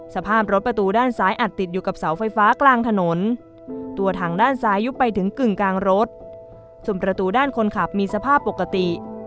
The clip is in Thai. สภาพรถประตูด้านซ้ายอัดติดอยู่กับเสาไฟฟ้ากลางถนนตัวถังด้านซ้ายยุบไปถึงกึ่งกลางรถส่วนประตูด้านคนขับมีสภาพปกติ